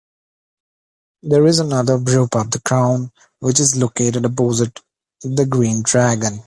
There is another brewpub the Crown which is located opposite the Green Dragon.